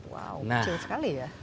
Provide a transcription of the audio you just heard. wow kecil sekali ya